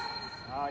さあ